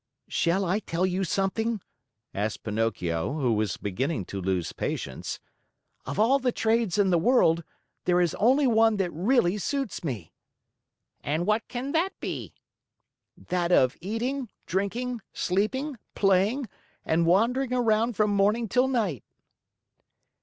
"Shall I tell you something?" asked Pinocchio, who was beginning to lose patience. "Of all the trades in the world, there is only one that really suits me." "And what can that be?" "That of eating, drinking, sleeping, playing, and wandering around from morning till night."